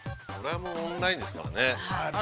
◆オンラインですからね。